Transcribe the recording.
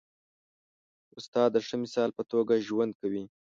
استاد د ښه مثال په توګه ژوند کوي.